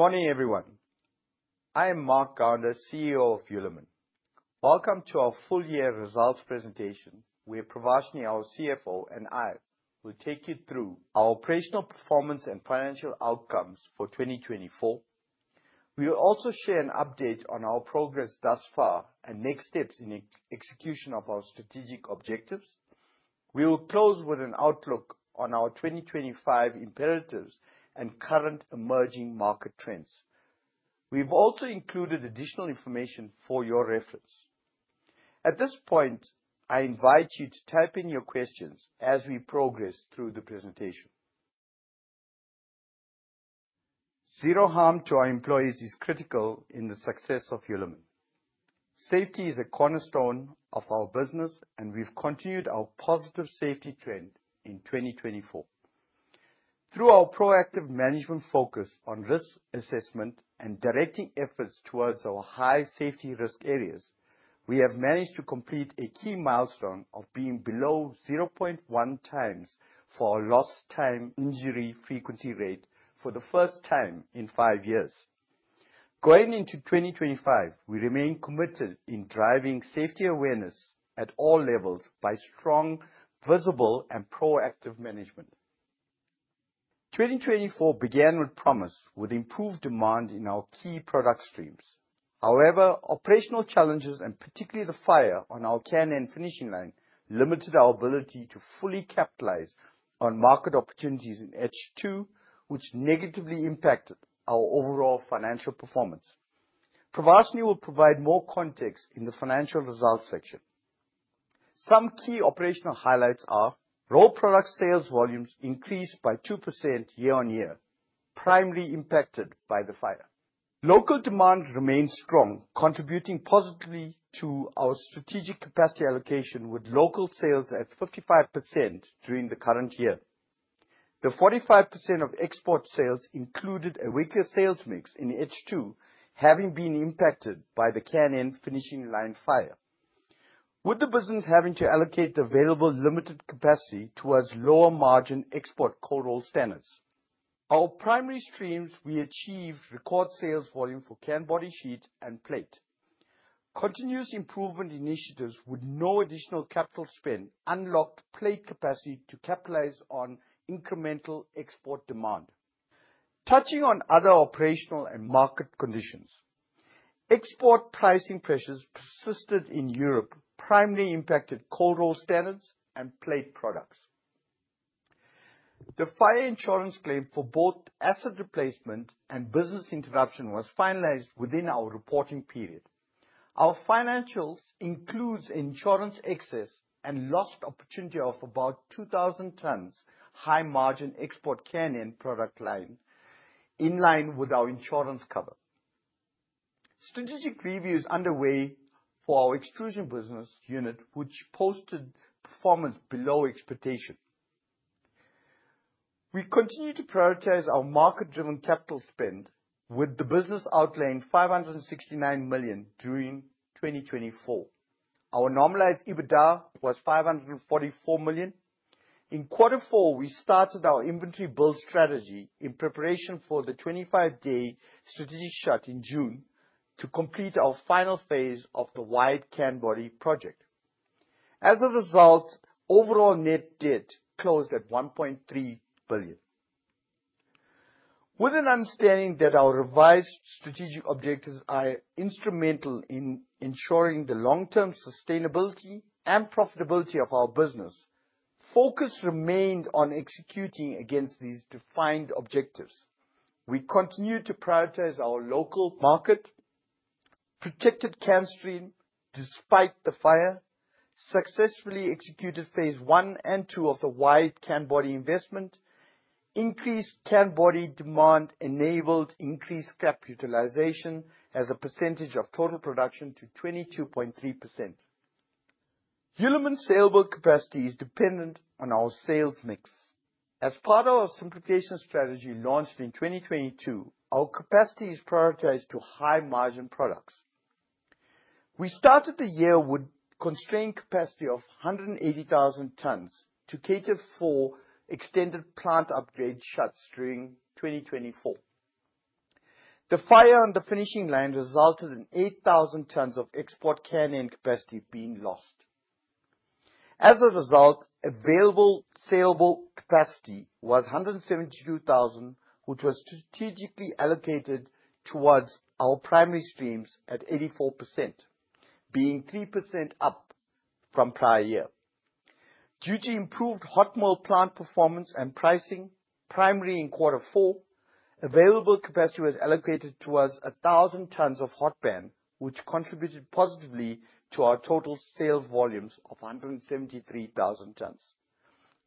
Good morning, everyone. I am Mark Gounder, CEO of Hulamin. Welcome to our full year results presentation, where Pravashni, our CFO, and I will take you through our operational performance and financial outcomes for 2024. We'll also share an update on our progress thus far and next steps in execution of our strategic objectives. We will close with an outlook on our 2025 imperatives and current emerging market trends. We've also included additional information for your reference. At this point, I invite you to type in your questions as we progress through the presentation. Zero harm to our employees is critical in the success of Hulamin. Safety is a cornerstone of our business, and we've continued our positive safety trend in 2024. Through our proactive management focus on risk assessment and directing efforts towards our high safety risk areas, we have managed to complete a key milestone of being below 0.1x for our Lost Time Injury Frequency Rate for the first time in five years. Going into 2025, we remain committed in driving safety awareness at all levels by strong, visible and proactive management. 2024 began with promise with improved demand in our key product streams. However, operational challenges, and particularly the fire on our can end finishing line, limited our ability to fully capitalize on market opportunities in H2, which negatively impacted our overall financial performance. Pravashni will provide more context in the financial results section. Some key operational highlights are our product sales volumes increased by 2% year-on-year, primarily impacted by the fire. Local demand remains strong, contributing positively to our strategic capacity allocation with local sales at 55% during the current year. The 45% of export sales included a weaker sales mix in H2, having been impacted by the can-end finishing line fire, with the business having to allocate the available limited capacity towards lower margin export cold roll standards. Our primary streams, we achieved record sales volume for can body sheet and plate. Continuous improvement initiatives with no additional capital spend unlocked plate capacity to capitalize on incremental export demand. Touching on other operational and market conditions, export pricing pressures persisted in Europe, primarily impacted cold roll standards and plate products. The fire insurance claim for both asset replacement and business interruption was finalized within our reporting period. Our financials includes insurance excess and lost opportunity of about 2,000 tons high margin export can end product line in line with our insurance cover. Strategic review is underway for our extrusion business unit, which posted performance below expectation. We continue to prioritize our market-driven capital spend with the business outlaying 569 million during 2024. Our normalized EBITDA was 544 million. In quarter four, we started our inventory build strategy in preparation for the 25-day strategic shut in June to complete our final phase of the wide can body project. As a result, overall net debt closed at 1.3 billion. With an understanding that our revised strategic objectives are instrumental in ensuring the long-term sustainability and profitability of our business, focus remained on executing against these defined objectives. We continued to prioritize our local market, protected can stream despite the fire, successfully executed phase one and two of the wide can body investment. Increased can body demand enabled increased capacity utilization as a percentage of total production to 22.3%. Hulamin's saleable capacity is dependent on our sales mix. As part of our simplification strategy launched in 2022, our capacity is prioritized to high-margin products. We started the year with constrained capacity of 180,000 tons to cater for extended plant upgrade shuts during 2024. The fire on the finishing line resulted in 8,000 tons of export can end capacity being lost. As a result, available saleable capacity was 172,000, which was strategically allocated towards our primary streams at 84%, being 3% up from prior year. Due to improved hot mill plant performance and pricing, primarily in quarter four, available capacity was allocated towards 1,000 tons of hot band, which contributed positively to our total sales volumes of 173,000 tons.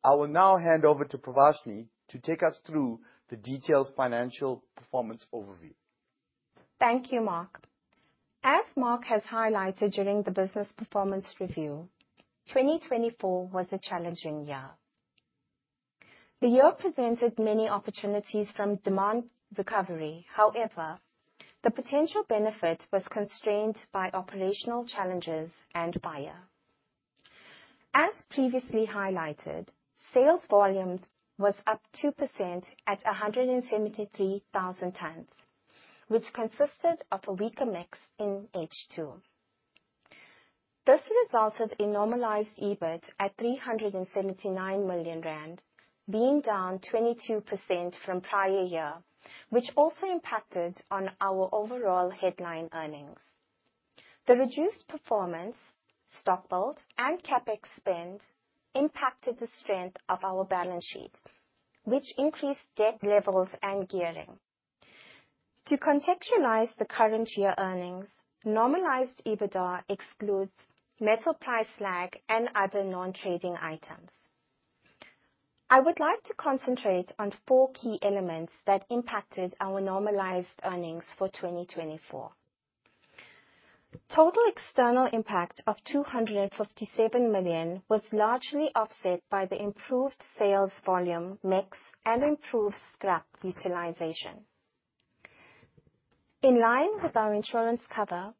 I will now hand over to Pravashni to take us through the detailed financial performance overview. Thank you, Mark. As Mark has highlighted during the business performance review, 2024 was a challenging year. The year presented many opportunities from demand recovery. However, the potential benefit was constrained by operational challenges and fire. As previously highlighted, sales volumes was up 2% at 173,000 tons, which consisted of a weaker mix in H2. This resulted in normalized EBIT at 379 million rand, being down 22% from prior year, which also impacted on our overall headline earnings. The reduced performance, stock build, and CapEx spend impacted the strength of our balance sheet, which increased debt levels and gearing. To contextualize the current year earnings, normalized EBITDA excludes metal price lag and other non-trading items. I would like to concentrate on four key elements that impacted our normalized earnings for 2024. Total external impact of 257 million was largely offset by the improved sales volume mix and improved scrap utilization. In line with our insurance cover,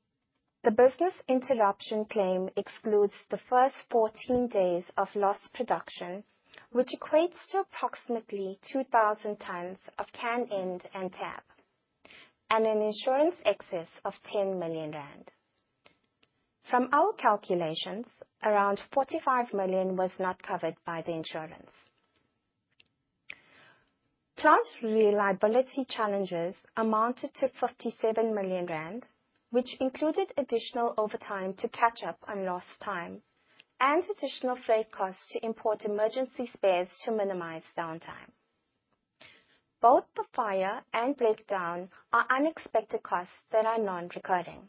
the business interruption claim excludes the first 14 days of lost production, which equates to approximately 2,000 tons of can-end and tab, and an insurance excess of 10 million rand. From our calculations, around 45 million was not covered by the insurance. Plant reliability challenges amounted to 57 million rand, which included additional overtime to catch up on lost time and additional freight costs to import emergency spares to minimize downtime. Both the fire and breakdown are unexpected costs that are non-recurring.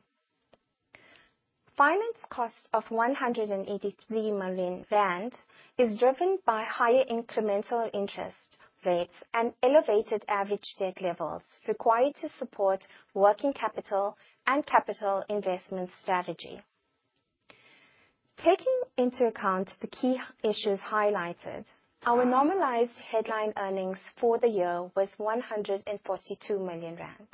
Finance costs of 183 million rand is driven by higher incremental interest rates and elevated average debt levels required to support working capital and capital investment strategy. Taking into account the key issues highlighted, our normalized headline earnings for the year was 142 million rand.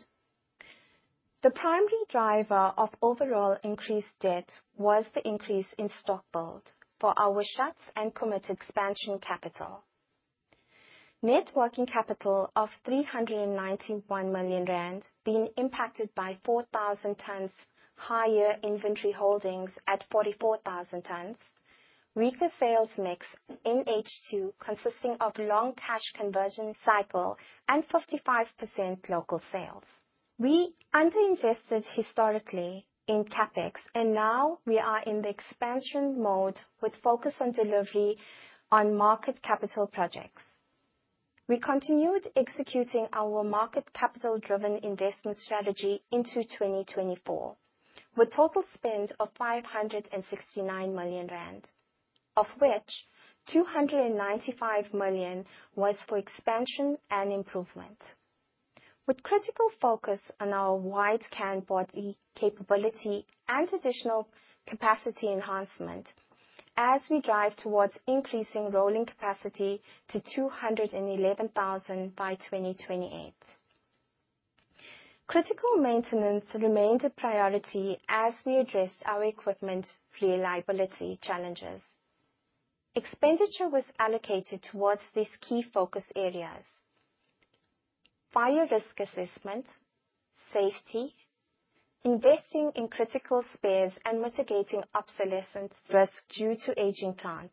The primary driver of overall increased debt was the increase in stock build for our sheets and committed expansion capital. Net working capital of 391 million rand being impacted by 4,000 tons higher inventory holdings at 44,000 tons. Weaker sales mix in H2, consisting of long cash conversion cycle and 55% local sales. We underinvested historically in CapEx, and now we are in the expansion mode with focus on delivery on market capital projects. We continued executing our market capital-driven investment strategy into 2024, with total spend of 569 million rand, of which 295 million was for expansion and improvement. With critical focus on our wide can body capability and additional capacity enhancement as we drive towards increasing rolling capacity to 211,000 by 2028. Critical maintenance remains a priority as we address our equipment reliability challenges. Expenditure was allocated towards these key focus areas, fire risk assessment, safety, investing in critical spares, and mitigating obsolescence risk due to aging plant.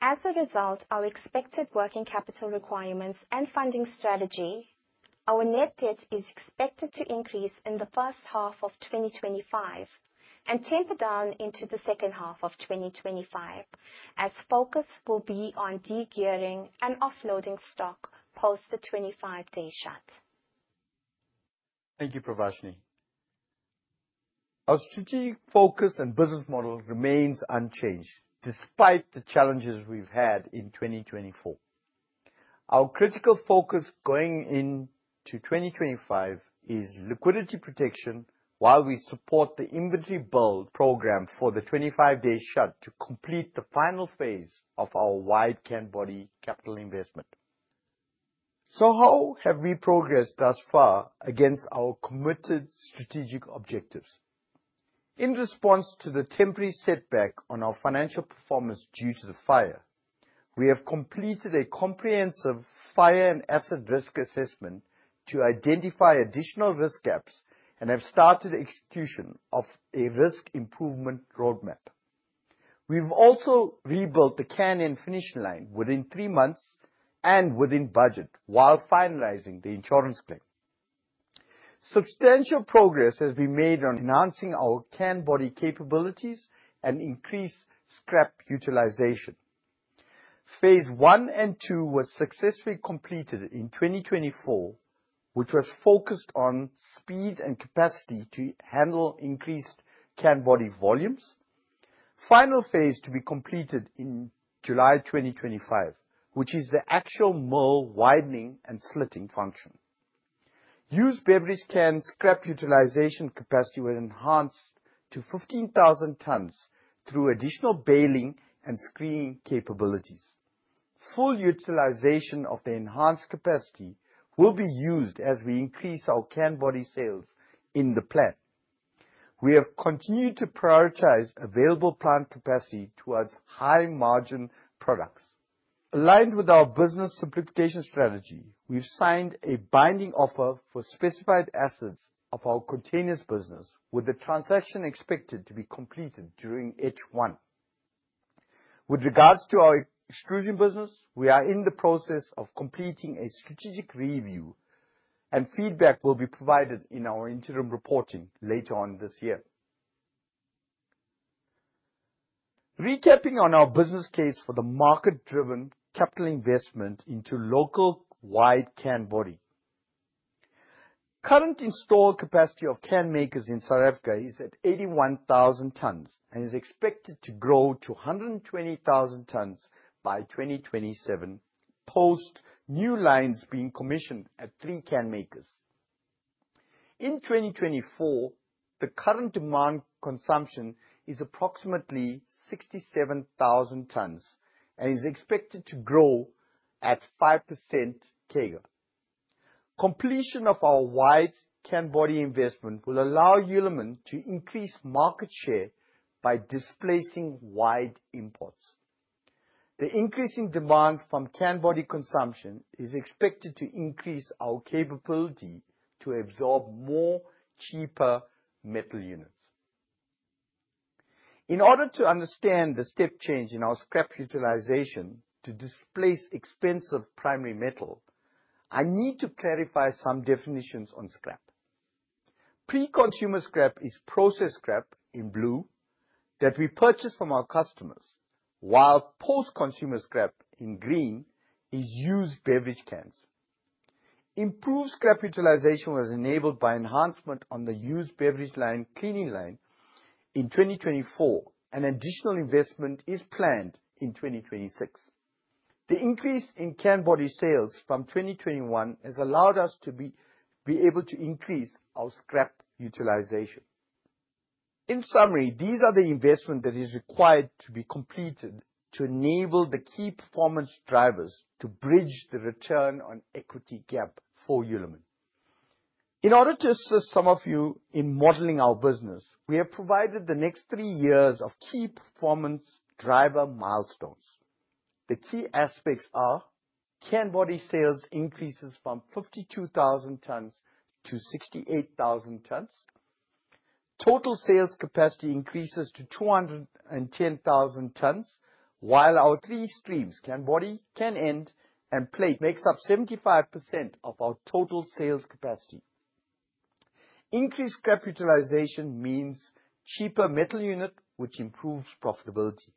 As a result of expected working capital requirements and funding strategy, our net debt is expected to increase in the first half of 2025 and taper down into the second half of 2025 as focus will be on de-gearing and offloading stock post the 25-day shut. Thank you, Pravashni. Our strategic focus and business model remains unchanged despite the challenges we've had in 2024. Our critical focus going into 2025 is liquidity protection while we support the inventory build program for the 25-day shut to complete the final phase of our wide can body capital investment. How have we progressed thus far against our committed strategic objectives? In response to the temporary setback on our financial performance due to the fire, we have completed a comprehensive fire and asset risk assessment to identify additional risk gaps and have started execution of a risk improvement roadmap. We've also rebuilt the can end finish line within three months and within budget while finalizing the insurance claim. Substantial progress has been made on enhancing our can body capabilities and increased scrap utilization. Phase one and two was successfully completed in 2024, which was focused on speed and capacity to handle increased can body volumes. Final phase to be completed in July 2025, which is the actual mill widening and slitting function. Used beverage can scrap utilization capacity will enhance to 15,000 tons through additional baling and screening capabilities. Full utilization of the enhanced capacity will be used as we increase our can body sales in the plant. We have continued to prioritize available plant capacity towards high margin products. Aligned with our business simplification strategy, we've signed a binding offer for specified assets of our containers business, with the transaction expected to be completed during H1. With regards to our extrusion business, we are in the process of completing a strategic review and feedback will be provided in our interim reporting later on this year. Recapping on our business case for the market-driven capital investment into local wide can body. Current installed capacity of can makers in South Africa is at 81,000 tons and is expected to grow to 120,000 tons by 2027, post new lines being commissioned at three can makers. In 2024, the current demand consumption is approximately 67,000 tons and is expected to grow at 5% CAGR. Completion of our wide can body investment will allow Hulamin to increase market share by displacing wide imports. The increasing demand from can body consumption is expected to increase our capability to absorb more cheaper metal units. In order to understand the step change in our scrap utilization to displace expensive primary metal, I need to clarify some definitions on scrap. Pre-consumer scrap is processed scrap, in blue, that we purchase from our customers, while post-consumer scrap, in green, is used beverage cans. Improved scrap utilization was enabled by enhancement on the used beverage can cleaning line in 2024, and additional investment is planned in 2026. The increase in can body sales from 2021 has allowed us to be able to increase our scrap utilization. In summary, these are the investment that is required to be completed to enable the key performance drivers to bridge the return on equity gap for Hulamin. In order to assist some of you in modeling our business, we have provided the next three years of key performance driver milestones. The key aspects are can body sales increases from 52,000 tons to 68,000 tons. Total sales capacity increases to 210,000 tons, while our three streams, can body, can end, and plate makes up 75% of our total sales capacity. Increased scrap utilization means cheaper metal unit, which improves profitability.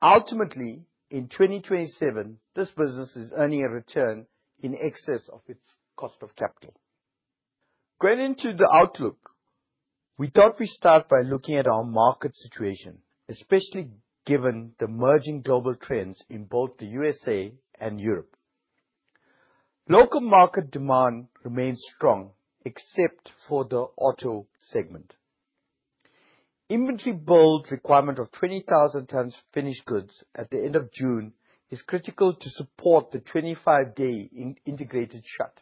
Ultimately, in 2027, this business is earning a return in excess of its cost of capital. Going into the outlook, we thought we start by looking at our market situation, especially given the emerging global trends in both the USA and Europe. Local market demand remains strong except for the auto segment. Inventory build requirement of 20,000 tons finished goods at the end of June is critical to support the 25-day integrated shut.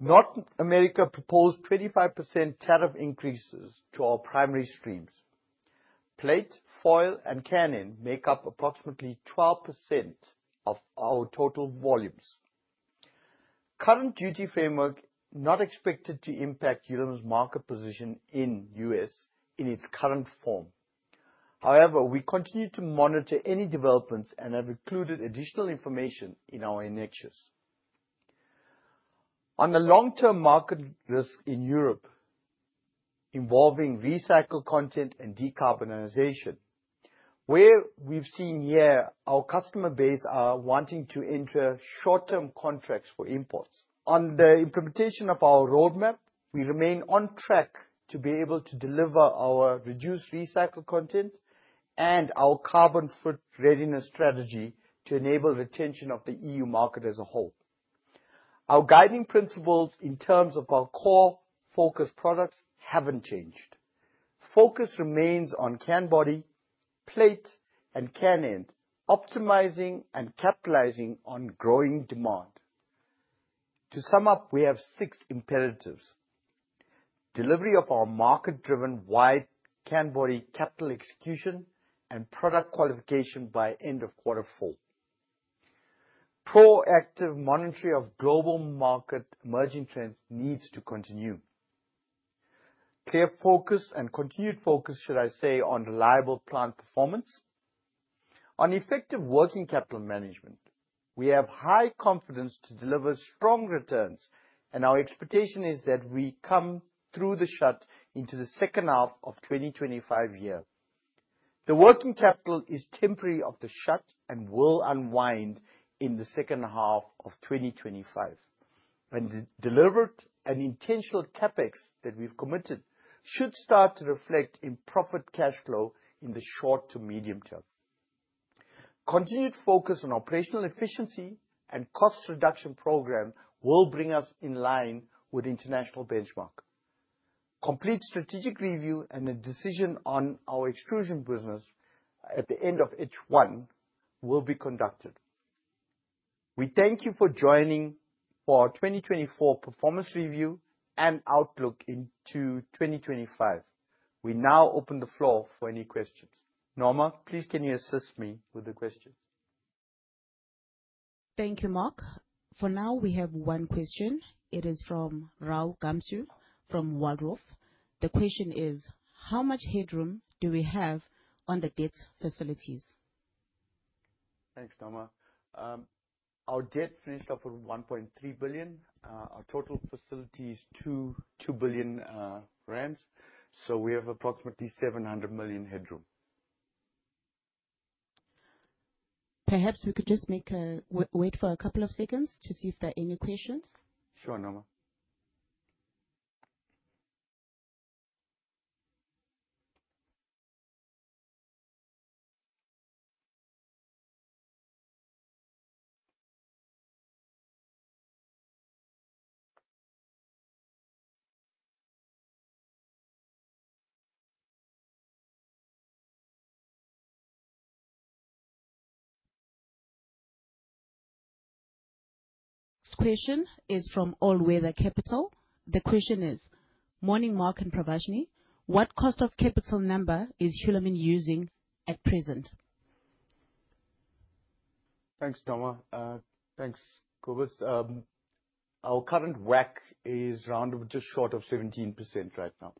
North America proposed 25% tariff increases to our primary streams. Plate, foil, and can end make up approximately 12% of our total volumes. Current duty framework not expected to impact Hulamin's market position in U.S. in its current form. However, we continue to monitor any developments and have included additional information in our annexures. On the long-term market risk in Europe involving recycled content and decarbonization, where we've seen here our customer base are wanting to enter short-term contracts for imports. On the implementation of our roadmap, we remain on track to be able to deliver our reduced recycled content and our carbon footprint readiness strategy to enable retention of the EU market as a whole. Our guiding principles in terms of our core focus products haven't changed. Focus remains on can body, plate, and can end, optimizing and capitalizing on growing demand. To sum up, we have six imperatives. Delivery of our market-driven wide can body capital execution and product qualification by end of quarter four. Proactive monitoring of global emerging market trends needs to continue. Clear focus and continued focus, should I say, on reliable plant performance. On effective working capital management, we have high confidence to deliver strong returns and our expectation is that we come through the shutdown into the second half of 2025. The working capital is temporary of the shutdown and will unwind in the second half of 2025. When delivered, an intentional CapEx that we've committed should start to reflect in free cash flow in the short to medium term. Continued focus on operational efficiency and cost reduction program will bring us in line with international benchmark. Complete strategic review and a decision on our extrusion business at the end of H1 will be conducted. We thank you for joining for our 2024 performance review and outlook into 2025. We now open the floor for any questions. Norma, please can you assist me with the questions? Thank you, Mark. For now, we have one question. It is from Raoul Kamsu from Waldorf. The question is, how much headroom do we have on the debt facilities? Thanks, Norma. Our debt finished off at 1.3 billion. Our total facility is 2 billion rand. We have approximately 700 million headroom. Perhaps we could just wait for a couple of seconds to see if there are any questions. Sure, Norma. This question is from All Weather Capital. The question is, morning, Mark and Pravashni. What cost of capital number is Hulamin using at present? Thanks, Norma. Thanks, Kobus. Our current WACC is round about just short of 17% right now.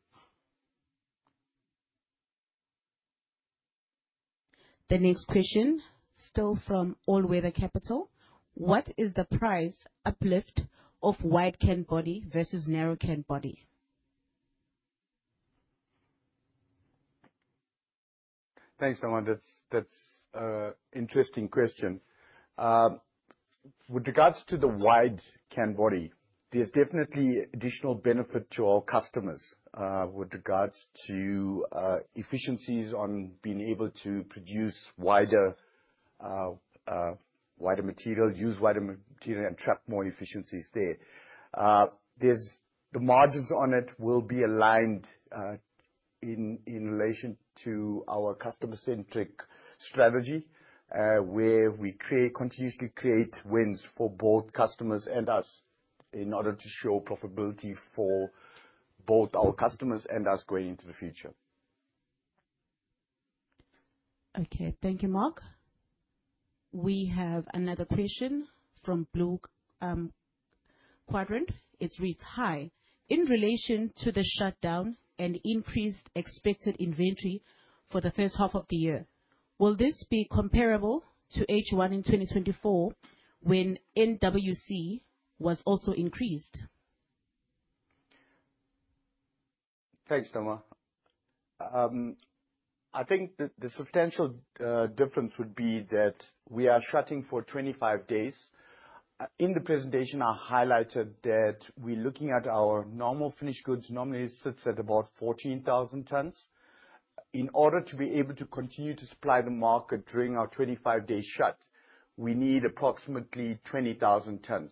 The next question, still from All Weather Capital. What is the price uplift of wide can body versus narrow can body? Thanks, Norma. That's an interesting question. With regards to the wide can body, there's definitely additional benefit to our customers with regards to efficiencies on being able to produce wider material, use wider material and track more efficiencies there. The margins on it will be aligned in relation to our customer-centric strategy, where we continuously create wins for both customers and us in order to show profitability for both our customers and us going into the future. Okay. Thank you, Mark. We have another question from Blue Quadrant. It reads, hi, in relation to the shutdown and increased expected inventory for the first half of the year, will this be comparable to H1 in 2024 when NWC was also increased? Thanks, Norma. I think the substantial difference would be that we are shutting for 25 days. In the presentation, I highlighted that we're looking at our normal finished goods normally sits at about 14,000 tons. In order to be able to continue to supply the market during our 25-day shut, we need approximately 20,000 tons.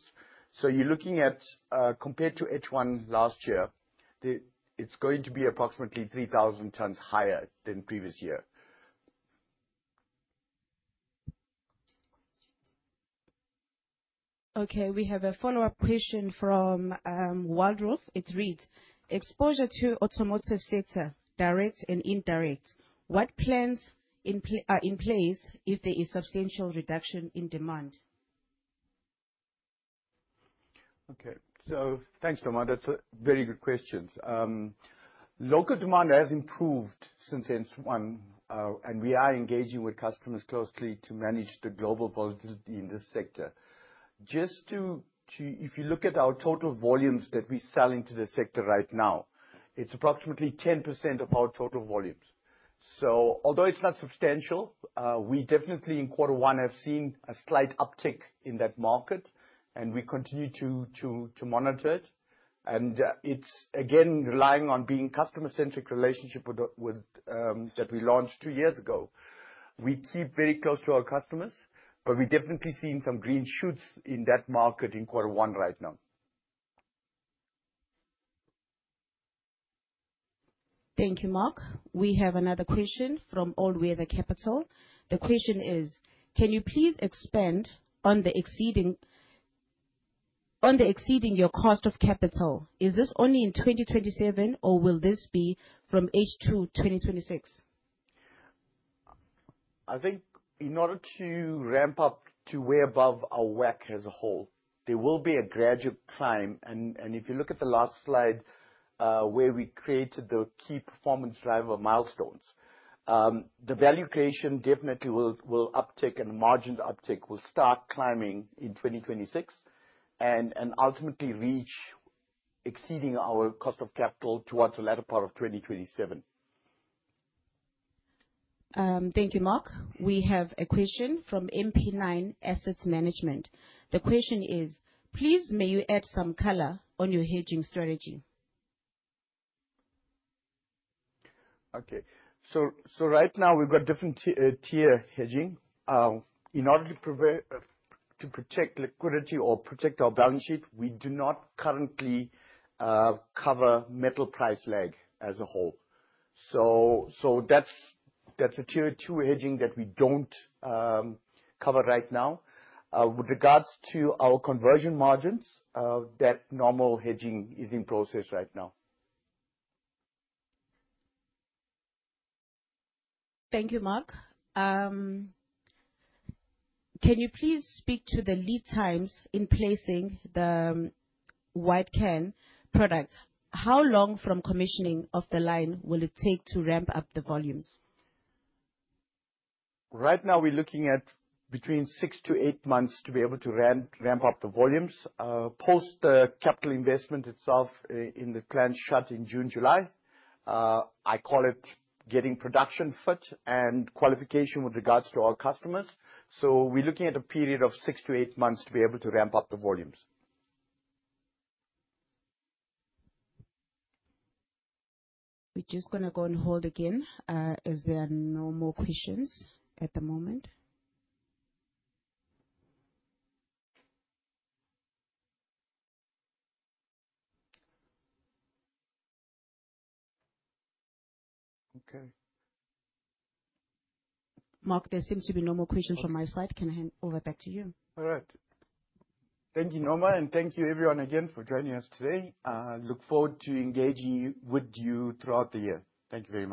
You're looking at, compared to H1 last year, it's going to be approximately 3,000 tons higher than previous year. Okay, we have a follow-up question from Waldorf. It reads, exposure to automotive sector, direct and indirect, what plans are in place if there is substantial reduction in demand? Okay. Thanks, Norma. That's a very good question. Local demand has improved since H1. We are engaging with customers closely to manage the global volatility in this sector. If you look at our total volumes that we sell into the sector right now, it's approximately 10% of our total volumes. Although it's not substantial, we definitely in quarter one have seen a slight uptick in that market and we continue to monitor it. It's again relying on being customer-centric relationship with that we launched two years ago. We keep very close to our customers, but we definitely seen some green shoots in that market in quarter one right now. Thank you, Mark. We have another question from All Weather Capital. The question is, can you please expand on the exceeding your cost of capital? Is this only in 2027 or will this be from H2 2026? I think in order to ramp up to way above our WACC as a whole, there will be a gradual climb. If you look at the last slide, where we created the key performance driver milestones, the value creation definitely will uptick and margin uptick will start climbing in 2026 and ultimately reach exceeding our cost of capital towards the latter part of 2027. Thank you, Mark. We have a question from MP9 Asset Management. The question is, please may you add some color on your hedging strategy? Right now we've got different tier hedging. In order to protect liquidity or protect our balance sheet, we do not currently cover metal price lag as a whole. That's a tier two hedging that we don't cover right now. With regards to our conversion margins, that normal hedging is in process right now. Thank you, Mark. Can you please speak to the lead times in placing the wide can body? How long from commissioning of the line will it take to ramp up the volumes? Right now we're looking at between six to eight months to be able to ramp up the volumes, post the capital investment itself in the planned shutdown in June, July. I call it getting production fit and qualification with regards to our customers. We're looking at a period of six to eight months to be able to ramp up the volumes. We're just gonna go on hold again, as there are no more questions at the moment. Okay. Mark, there seems to be no more questions from my side. Can I hand over back to you? All right. Thank you, Norma. Thank you everyone again for joining us today. Look forward to engaging with you throughout the year. Thank you very much.